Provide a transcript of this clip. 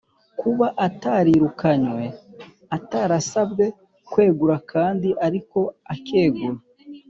kuba atarirukanywe, atarasabwe kwegura kandi ariko akegura,